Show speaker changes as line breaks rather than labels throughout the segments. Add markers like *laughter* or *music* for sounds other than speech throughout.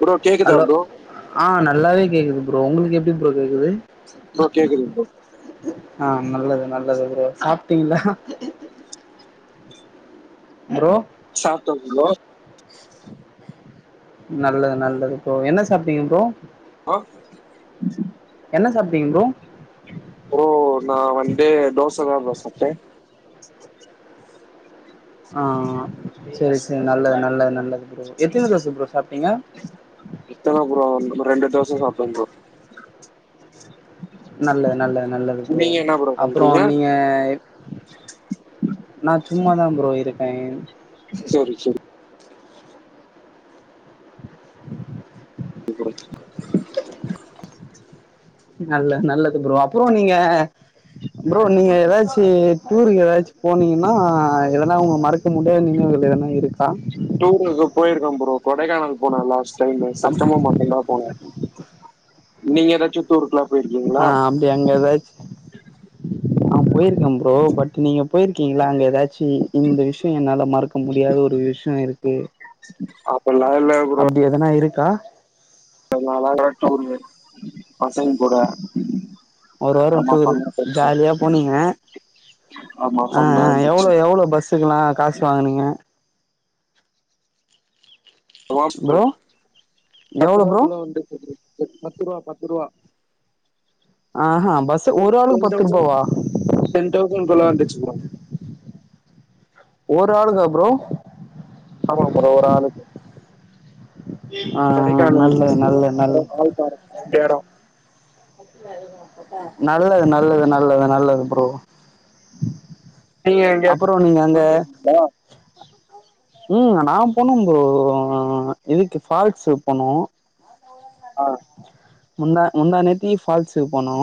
Bro கேக்குதா
hello
bro
ஆ நல்லாவே கேக்குது ப்ரோ உங்களுக்கு எப்டி ப்ரோ கேக்குது
ப்ரோ கேக்குது ப்ரோ
*unintelligible* ஆ நல்லது நல்லது ப்ரோ சாப்ட்டீங்களா ப்ரோ
சாப்ட ப்ரோ
நல்லது நல்லது ப்ரோ என்ன சாப்ட்டீங்க ப்ரோ
ஆ
டீங் ப்ரோ
ப்ரோ நா வந்து தோசதா ப்ரோ சாப்டே
ஆ செரி செரி நல்லது நல்லது நல்லது ப்ரோ எத்தனி தோசை ப்ரோ சாப்ட்டீங்க
இத்தனை ப்ரோ ரெண்டு தோச சாப்டே ப்ரோ
நல்லது நல்லது நல்லது ப்ரோ
நீங்க என்ன
அப்புற
பண்றீங்க
நீங்க நா சும்மாதான் ப்ரோ இருக்கே
செரி செரி *unintelligible*
நல்ல நல்லது ப்ரோ அப்புறோ நீங்க ப்ரோ நீங்க ஏதாச்சு டூருக்கு ஏதாச்சு போனீங்கன்னா எதனா உங்க மறக்க முடியாத நினைவு எதனா இருக்கா
டூருக்கு போயிருக்கோ ப்ரோ கொடைக்கானல் போனே லாஸ்ட் டைம்
அப்
செப்டம்பர் மாசந்தா போனே நீங்க ஏதாச்சி டூர்க்ல்லா
ஆ அப்டி அங்க ஏதாச்சு ஆ போயிருக்கே ப்ரோ பட் நீங்க போயிருக்கீங்களா அங்க ஏதாச்சு இந்த விஷய என்னால மறக் க்க முடியாத ஒரு விஷய இருக்கு
அப்பெல்லாம்
அப்டி எதனா இருக் கா
அழகா டூரு பசங்க கூட
ஒரு வார
ஆமா
டூர்
ஃபன்னா போச்சு
ஜாலியா போனீங்க
ஆமா
ஆ
ஃபன்னா
அ
இருந்துச்சு
எவ்ளோ எவ்ளோ பஸ்ஸுக்கல்லா காசு வாங்குனீங்க
ஆமா ப்ரோ
எவ்ளோ ப்ரோ
பத்ரூவாக்குள்ள வந்துருச்சு ப்ரோ பத்ரூவா பத்ரூவா
ஆஹா பஸ்ஸு
டென்
ஒரு ஆளுக்கு பத்து
டென்‌தௌஷன்
ரூபாவா
டென் தௌஷன்குல்ல வந்துச் தூரம்
ஒரு ஆளுக்கா ப்ரோ
ஆமா ப்ரோ ஒரு ஆளுக்கு
ஆ
கொடைக்கானல்
நல்லது
ஃபர்ஸ்டு
நல்ல நல்
அப்புறம் வால்பாறை ரெண்டு எட
நல்லது நல்லது நல்லது நல்லது ப்ரோ
நீங்க எங்கயாச்
அப்புறோ நீங்க அங்க
டூர் போயிருகீங்களா
ம் நா போனே ப்ரோ இதுக்கு ஃபால்ஸ்க்கு போனோ
ஆ
முந்தா முந்தா நேத்தி ஃபால்ஸுக்கு போனோ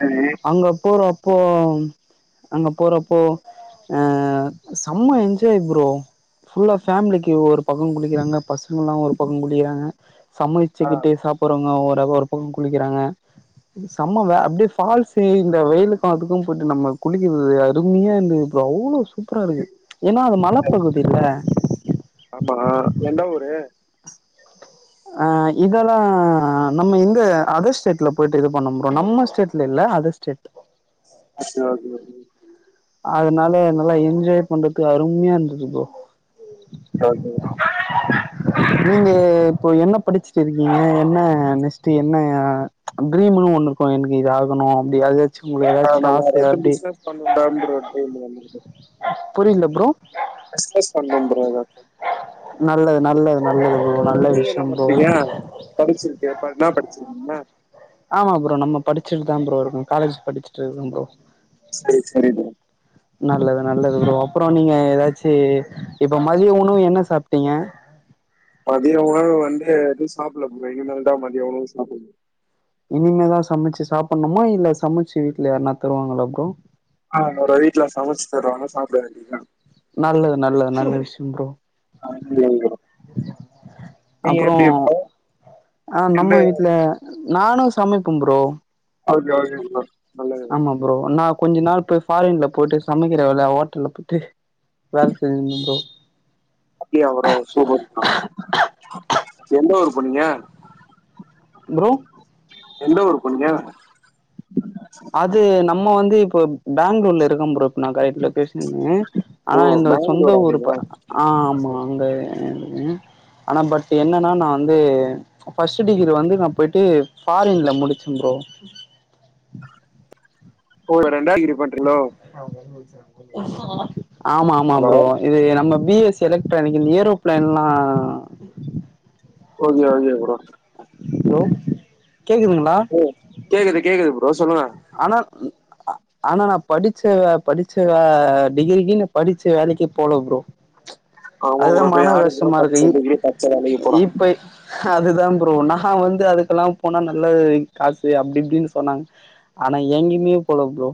சரி
அங்க போற போம் அங்க போறப்போ அ செம்ம என்ஜாய் ப்ரோ புல்லா பேமிலிக்கு ஒரு பக்க குளிக்கிறாங்க பசங்கல்லா ஒரு பக்க குளிக்கிறாங்க
ஆ
வச்சுக்கிட்டு சாப்பறவங்க ஒரு பக்க குளிக்கிறாங்க சம்ம வே அப்படியே ஃபால்ஸ் இந்த வெயிலு காத்துக்கு போயிட்டு நம்ம குளிக்கிறது அருமையா இந்த அவ்வளவ் சூப்பரா இருக்கு ஏன்னா அது
சரி
மலப்பகுதி இல்ல
ஆமா எந்த ஊரு
ஆ இதெல்லா நம்ம எங்க அதர் ஸ்டேட்ல போயிட்டு இது பண்ணம் ப்ரோ நம்ம ஸ்டேட்ல இல்ல அதர்ஸ்டேட்
ஆ செர் ஒகே
அதனால நல்லா என்ஜாய் பண்றதுக்கு அருமையா இருந்தது ப்ரோ
ஓகே ஓகே *inaudible*
நீங்க இப்போ என்ன படிச்சுட்டு இருக்கீங்க என்ன நெஸ்ட்ட் என்ன ட்ரீம்ன்னு ஒண்ணு இருக்கு எனக்கு இத ஆக்கணு அப்டியாது
ஆ நம்ம எது பிசிஸ்னஸ் பண்ணனுதா ப்ரோ டிரிம்
புரில்ல ப்ரோ
பிஸ்னஸ் பண்ணனு ப்ரோ
நல்லது நல்லது நல்லது நல்ல
நீங்க
விஷயோ
என்ன
ப்ரோ
பண்றீங்க படிச்சிருக்கீங்க ப- என்ன படிச்சிருக்கீங்க
ஆமா ப்ரோ நம்ம படிச்சுட்டு தா ப்ரோ இருக்கோ காலேஜ் படிச்சுட்டு இருக்கோ ப்ரோ
செரி செரிது
நல்லது நல்லது ப்ரோ அப்புறோ நீங்க ஏதாச்சு இப்ப மதியோ உணவு என்ன சாப்பிட்டீங்க
மதிய உணவு வந்து எதுவு சாப்டல ப்ரோ இனிமேல் தா மதியம் உணவு சாப்டனு
இனிமேலா சமைச்சு சாப்படணுமா இல்ல சமைச்சு வீட்டுல யருனா தருவாங்களோ ப்ரோ
ஆ என்னோட வீட்ல சமைச்சு தருவாங்க சாப்ட வேண்டியதுதா
நல்லது நல்லது நல்ல விஷயோ ப்ரோ
ஒகே ப்ரோ நீங்க
அப்புறோ
எப்டி ப்ரோ
ஆ நம்ம
எந்த
வீட்டுல நானு சமைப்போ ப்ரோ
ஒகே ஒகே ப்ரோ நல்லது
ஆமா ப்ரோ நா கொஞ்ச நாள் போய் ஃபாரின்ல போயிட்டு சமைக்கிற வேலையா ஹோட்டல்ல போயிட்டு வேலை செஞ்சிருந்த ப்ரோ
அப்டியா ப்ரோ சூப்பர் ப்ரோ எந்த ஊர் போனீங்க
ப்ரோ
எந்த ஊர் போனீங்க
அது நம்ம வந்து இப்போ பெங்களூர்ல இருக்கே ப்ரோ இப்போ நா கரெக்ட் லொகேஷனு
ஓ
ஆனா இந்த சொந்த
பெங்களூரா
ஊர்
நீங்க
ஆ அந்த ஆனா பட் என்னன்னா நா வந்து பர்ஸ்ட் டிகிரி வந்து நா போயிட் டு ஃபாரின்ல முடிச்சோ ப்ரோ
கோய்லர்
ஆமா ஆமா
ஹலோ
ப்ரோ இது நம்ம பி எஸ் எலக்ட்ரானிக் இந்த ஏரோப்பிளைன்லா
ஓகே ஓகே ப்ரோ
ப்ரோ கேக்குதுங்களா
ஓ கேக்குது கேக்குது
ஆனா
உ *inaudible*
ஆனா நான் படிச்ச படிச்ச வே டிகிரிக்கு படிச்ச வேலைக்கு போல ப்ரோ
ஆமா
அதுதா
ப்ரோ இப்ப
மன
யாரு ப்ரோ
கஷ்டமா இருக்கு
பச்ச
இப்
டிகிரி பச்ச வேலைக்கு போறா
இப்ப அதுதா ப்ரோ நா வந்து அதுக்கெல்லா போனா நல்லது காசு அப்டி இப்டின்னு சொன்னாங்க ஆனா எங்கயுமே போல ப்ரோ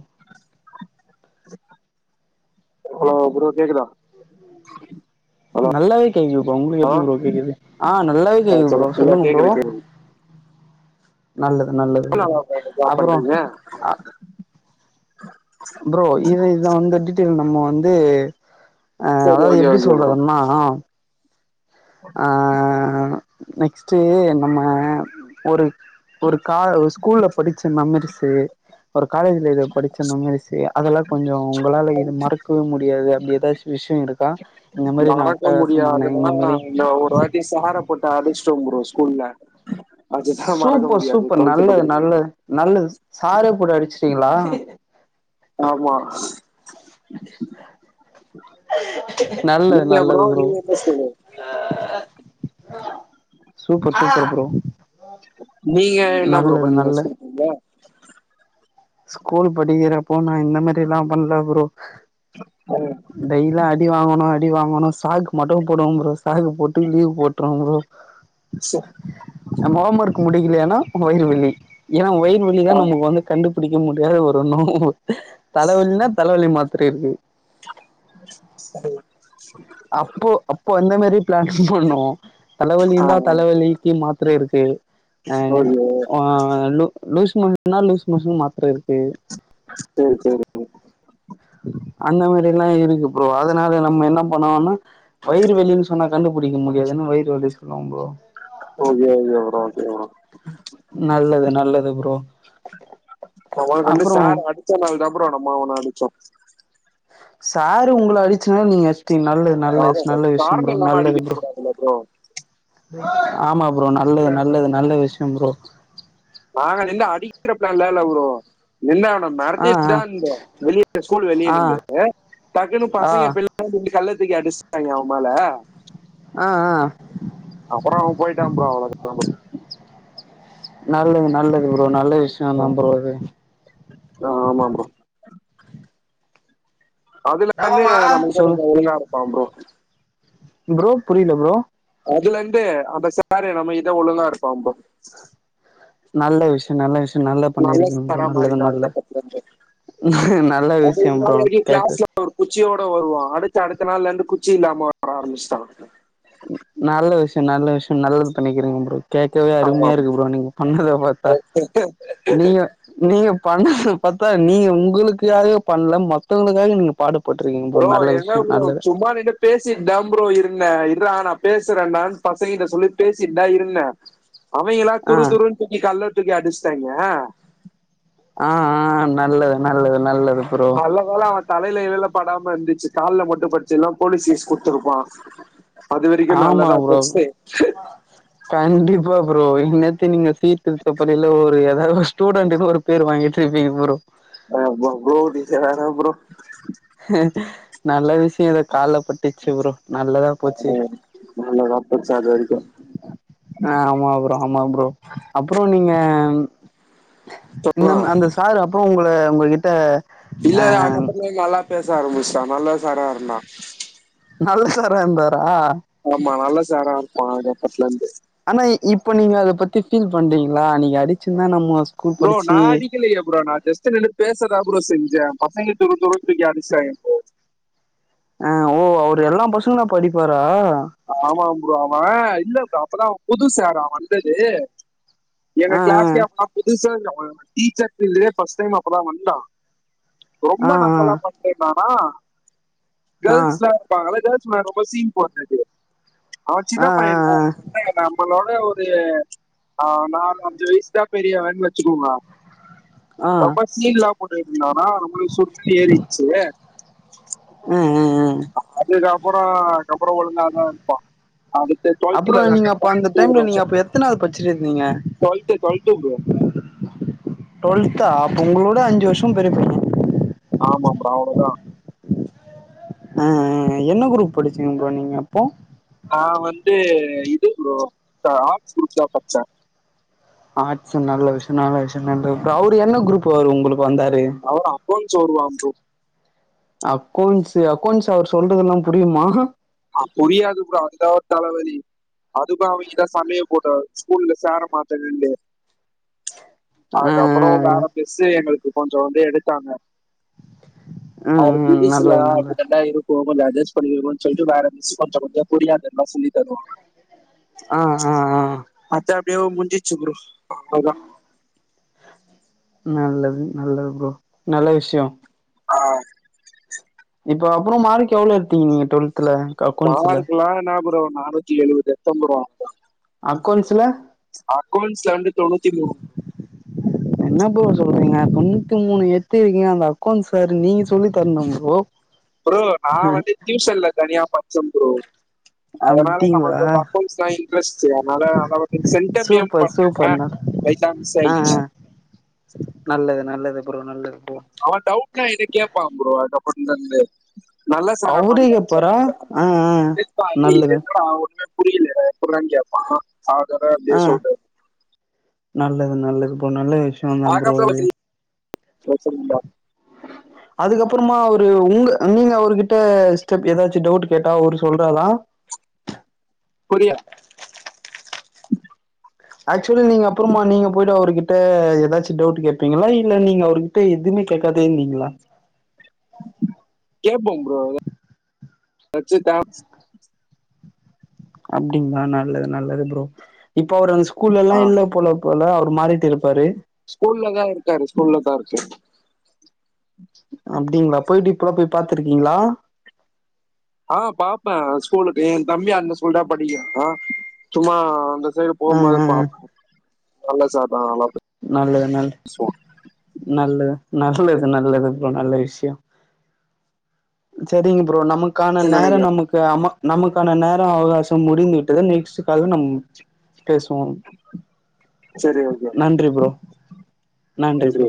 ஹலோ ப்ரோ கேக்குதா ஹலோ
நல்லாவே கேக்குது ப்ரோ ஒங்களுக்கு
ஆ
எப்டி ப்ரோ கேடக்குது ஆ நல்லாவே கேக்குது
சொல்லு
ப்ரோ
இல்ல
சொல்லுங்க ப்ரோ
கேக்குது கேக்குது
நல்லது நல்லது
எத்தன
ப்ரோ
நாள் போய்ட்டு
அப்புறோ
ஜாப்பண்றதே
அ ப்ரோ இ இத வந்து டீட்டல்ல நம்ம வந்து அ
சரி
அதாது
ஓகே
எப்டி
ஓகே ப்ரோ
சொல்றதுன்னா ஆ நெக்ஸ்ட்டு நம்ம ஒரு ஒரு கா ஸ்கூல்ல படிச்ச மேமரிசு ஒரு காலேஜ்ல இத படிச்ச மெமரிசு அதெல்லா கொஞ்சோ ஒங்களால இது மறக்கவே முடியாது ஏதாச்ச விஷயம் இருக்கா இந்த மாரி நா
மறக்க
அட்டகாசம் பண்ணே இந்த
முடியாதா
மாரி
இந்த ஒருவாட்டி சஹார போட்ட அடிச்சிட்டோம் பரோ ஸ்கூல்ல அதுதான் மறக்க
சூப்பர்
முடியாது
சூப்பர்
டுவெல்த்
நல்லது
படிக்கிறது
நல்லது நல்லது சாரெ போட்டு அடிச்சிட் ட்டீங்களா
ஆமா
நல்லது
நீங்க
நல்லது ப்ரோ
நீங்க என்ன ஸ்கூல்
சூப்பர் சூப்பர் ப்ரோ
நீங்க என்ன ப்ரோ
நல்லது
பண்ணிங்க
நல்ல
ஸ்கூல்ல
ஸ்கூல் படிக்கிற போனா இந்த மாதிரி எல்லா பண்ணல ப்ரோ *unintelligible* அடி வாங்கனு அடி வாங்கணு சாக்கு மட்டும் போடுவோம் ப்ரோ சாக்கு போட்டு லீவ் போட்ருவ ப்ரோ
சரி
நம்ம ஹோம் வொர்க் முடியக்கலையன்னா வயிருவலி ஏன்னா வயிருவலி தான் நமக்கு வந்து கண்டு புடிக்க முடியாத ஒருண்ணோ தலைவலினா தலைவலி மாத்திரி இருக்கு
சரி
அப்போ அப்போ அந்த மாதிரி பிளான் பண்ணோம் தலைவலிய தான் தலைவலிக்கு மாத்திர இருக்கு
ஓகே
லூஸ் மோஷன்னா லூஷ் மோஷன்க்கு மாத்திர இருக்கு
சேரி சேரி
அந்த மாதிரி எல்லா இருக்கு ப்ரோ அதனால நம்ம என்ன பண்ணோம்னா வயிறு வலின்னு சொன்னா கண்டு புடிக்க முடியாதுன்னு வயிறு வலி சொல்லுவ ப்ரோ
ஓகே ஓகே ப்ரோ சேரி ப்ரோ
நல்லது நல்லது ப்ரோ
அவன கண்டு
அப்றோ
சார் அடிச்சதன்னால தா ப்ரோ நம்ம அவன அடிச்சோ
சாரு உங்கள அடிச்சுனா நீங்க த்தி நல்லது
ஆமா
நல்லது நல்ல விஷயம் ப்ரோ
காரணம் இல்லாம
நல்லது
அடிக்க
ப்ரோ
கூடாதுல்ல ப்ரோ
ஆமா ப்ரோ நல்லது நல்லது நல்ல விஷயம் ப்ரோ
நாங்க நிண்டு அடிக்கிற பிளான்ல எல்ல இல்ல ப்ரோ நின்னு அவன
ஆ
மெரட்டிட்டுதான் இருந்து வெளியே ஸ்கூல் வெளியே
ஆ ஆ
நிண்டு டக்குனு
ஆ
பசங்க பின்னாடி இருந்து கல்ல தூக்கி அடிச்சிட்டாங்க அவ மேல
ஆ ஆ
அப்புறம் அவன் போயிட்டான் ப்ரோ அவ்வளவுதா ப்ரோ
நல்லது நல்லது ப்ரோ நல்ல விஷயம் தான் ப்ரோ இது
ஆமா ப்ரோ அதுல இருந்து நம்மகிட்ட
சொல்லு
கொஞ்ச ஒழுங்கா இருப்பா ப்ரோ
ப்ரோ புரியல ப்ரோ
அதுல எந்த அந்த சார நம்ம கிட்ட ஒழுங்கா இருப்பா ப்ரோ
நல்ல விஷயம் நல்ல விஷயம் நல்லா
நல்ல
பண்ணிருக்கங்க ப்ரோ
சாரா
நல்லது
மாறிட்டான்
நல்ல
அதுக்கப்புறத்துல இருந்து
நல்ல
அது
விஷயம்
முன்னாடி
ப்ரோ
வரைக்கும்
கேக்கு
கிளாஸ்ல ஒரு குச்சியோட வருவா அடுத்து அடுத்த நாள்ல இருந்து குச்சி இல்லாம வர ஆரம்ச்சட்டா
நல்ல விஷயம் நல்ல விஷயம் நல்லது பண்ணிக்கிறங்க ப்ரோ கேட்கவே
ஆமா
அருமையா இருக்கு ப்ரோ நீங்க பண்ணத பாத்தா நீங்க நீங்க பண்ணது பாத்தா நீங்க உங்களுக்காக பண்ல மத்தவங்களுக்காக நீங்க பாடு
ப்ரோ என்ன ப்ரோ சும்மாநிண்டு பேசிட்தான் ப்ரோ இருந்தே இர்ரா நான் பேசுறேன்டானு பசங்கிட்ட சொல்லிட்டு பேசிட்டு தான் இருந்தே அவங்கெல்லா
ஆ
துரு துருன்னு தூக்கி கல்ல தூக்கி அடிச்ட்டாங்கே
ஆ ஆ ஆ நல்லது நல்லது நல்லது ப்ரோ
நல்லகால அவ தலையிலகிலைல படாம இருந்துச்சு கால்ல மட்டும் பட்டுச்சு இல்லன்னா போலீஸ் கேஸ் குடுத்துருப்பா
ஆமாம் ப்ரோ கண்டிப்பா ப்ரோ ப்ரோ இந்நேரத்துக்கு நீங்க சீர்திருத்த பள்ளில ஒரு ஏதாவது ஒரு ஸ்டூடண்ட்டுன்னு ஒரு பேர் வாங்கிட்டு இருப்பீங்க ப்ரோ
அ ப்ரோ ப்ரோ டிசைன் வேனா ப்ரோ
நல்ல விஷயம் இது கால்ல பட்டிச்சு ப்ரோ நல்லதா போச்சு
நல்லதா போச்சு அது வரைக்கு
அ ஆமா ப்ரோ ஆமா ப்ரோ அப்புறோ நீங்க
ஆ
இந்தம் அந்த சாரு அப்போ உங்கள உங்க கிட்ட
இல்ல இல்ல அதுக்கப்புறம் நல்லா பேச ஆரம்பிஷ்டா நல்ல சாரா இருந்தான்
நல்ல சாராருந்தார்
ஆமா நல்லா சரா இருப்பான் அதுகப்பத்துல இருந்து
ஆனா இப்ப நீங்க அத பத்தி ஃபீல் பன்றீங்களா நீங்க அடிச்சுதான் நம்மோ
ப்ரோ நான் அடிக்கலையே ப்ரோ நான் ஜஸ்ட் நின்னு பேசதா ப்ரோ செஞ்சேன் பசங்க தூரு தூரு தூக்கி அடிஷ்டாங்கே ப்ரோ
ஆஹ் ஓ அவரு எல்லாம் பசங்களு அப்போ அடிப்பாரா
ஆமா ப்ரோ அவன் இல்ல ப்ரோ அப்பதான் அவன் புதுசு அவன் வந்தது எங்க
ஆ
கிளாஸ்ளையே அவன்தான் புதுசாருந்தான் டீஷர்ட்லியே ப்ர்ஸ்ட் டைம் அப்பதான் வந்தான் ரொம்ப
ஆ
நக்கலா பண்ணினா ஆ
ஆ ஆ
கேர்ள்ஸ்லா இருப்பாங்கள கேர்ள்ஸ் முன்னாடி ரொம்ப சீன் போடுறது அவ
ஆ
சின்ன
ஆ
பையன்டா அவன் நம்மளோட என்ன ஒரு அஹ் நாலு அஞ்சு வயசு தான் பெரியவன்னு வச்சுக்கோங்க
ஆ ஆ
ரொம்ப சீன்லா போட்டுட்டு இருந்தானா நம்ளுக்கு சுற்றுன்னு ஏறிறுச்சு
ம் ம்
அப்புறம் அப்புறம் ஒழுங்காதான் இருப்பா அடுத்து
அப்புறோ
டுவல்த்லதா
நீங்க அப்ப அந்த
*unintelligible* ஒரு
டைம்ல நீங்க
வருஷம்
அப்ப எத்தனாவது படிச்சிருந்தீங்க
டொல்த்து டொல்த்து புரோ
டுவெல்த்தா உங்களோட அஞ்சு வருஷம் பெரிய பையன்ங்க
ஆமாம் அவ்ளோதா
அ அ என்ன குரூப் படிச்சுங்க நீங்க அப்போ
அ ஆர்ட்ஸ் குரூப்ஸ்தா பட்சே
*unintelligible* அவரு என்ன குரூப்பு வந்தாரு
அவர் அக்கௌண்ட்ஸ் வருவான் ப்ரோ
அக்கோன்ஸு அகோன்ஸ் அவர் சொல்றதுலாம் புரியுமா
அ புரியாது ப்ரோ அதுதா தல வலி அதுப அவங்க இத சமைய போட்ட ஸ்கூல்ல சேர மாட்டேன்னுட்டு ச்
ஆ
அதுக்கப்புறம்
ஆ ஆ
வேற மிஸ்ஸு எங்களுக்கு கொஞ்சம் வந்து எடுத்தாங்க
ம்
அவது
ம்
புதுசுல
நல்லது நல்லது
அப்படிதாண்டா இருக்கும் கொஞ்சம் அட்ஜஸ்ட் பண்ணி இருனு சொல் வேற மிஸ்ஸு கொஞ்சோ கொஞ்சோ புரியாததெல்லாம் சொல்லித்தருவாங்க
அ அ அ
எப்டியோ முஞ்சிச்சு ப்ரோ அவ்ளோதான்
நல்லது நல்லது ப்ரோ நல்ல விஷ்யம்
அஹ்ஹ்
இப்போ அப்புறம் மார்க் எவ்ளோ எடுத்தீங்க டுவல்த்
மார்க்குலா என்ன ப்ரோ நானூத்தி எழுவது எடுத்தேன் ப்ரோ
ஆக்கோன்சுல
அக்கௌன்ட்ஸ்ல வந்து தொண்ணூத்தி மூனு
என்ன ப்ரோ சொல்றீங்க தொண்ணூத்தி மூணு எடுத்திருக்கீங்க அந்த அக்கௌண்ட்ஸ் வேற நீங்க சொல்லி தரணு ப்ரோ
ப்ரோ நா வந்து டியூசன்ல தனியா படிச்ச ப்ரோ அதனால
அப்டிங்களா
நம்மளுக்கு அக்கௌன்ட்ஸ்ல இன்ட்ரெஸ்ட் அதனால அந்தளவுக்கு சென்டம் ஏம்
சூப்பர்
பண்ண
சூப்பர்
லைட்டா மிஸ் ஆயிச்சு
ந
அவ டவுட்ன என்ட கேப்பா ப்ரோ அதுக்கப்பறதுல இருந்து
அவரே கேப்பாரா ஆ ஆ நல்லது
*unintelligible* புரியல எப்பிட்றானு கேப்பா அவட அப்டியே
ஆ
சொல்லுவா
நல்லது நல்லது இப்ப நல்ல விஷ்யோ தா ப்ரோ இது
சேர் சேரி நண்பா
அதுக்கப்பறமா அவரு உங்க அ நீங்க அவருகிட்ட ஸ்டெப் எதாச்சு டவுட்டு கேட்டா அவரு சொல்றாரா
புரியா
ஆக்சுவலி நீங்க அப்பறமா நீங்க போயிட்டு அவருகிட்ட எதாச்சு டவுட்டு கேப்பீங்ளா இல்ல நீங்க அவருகிட்ட எதும் மே கேட்காதே இருந்தீங்ளா
கேப்போங் ப்ரோ வச்சி தா
அப்டிங்ளா நல்லது நல்லது ப்ரோ இப்ப அவரு அந்த ஸ்கூல்லலா இல்ல போல போல அவரு மாறிட்டாரு
ஸ்கூல்ல தா இருக்காரு ஸ்கூல்லதா இருக்காரு
அப்டிங்ளா போயிட்டு இப்பலா போய் பாத்திருக்கீங்ளா
ஆ பாப்பே ஸ்கூலுக்கு எ தம்பி அந்த ஸ்கூல்தா படிக்கிறா சும்மா அந்த சைடு
ஆ
போகும்போது
ஆ, ஆ.
பாப்பே நல்ல சார் தா ஆனா
நல்லது நல்ல நல்லது நல்லது நல்லது ப்ரோ நல்ல விஷ்யோ செரிங்க ப்ரோ நமக்கான நேர
நினைக்கிறேன்
நமக்கு அம நமக்கான நேர அவகாசம் முடிந்து விட்டது நெக்ஸ்ட்டு கால்ல நம் பேசுவோம்
சரி ஓகே
நன்றி ப்ரோ நன்றி ப்ரோ